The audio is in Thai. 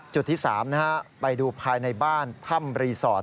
จุดที่๓ไปดูภายในบ้านถ้ำรีสอร์ท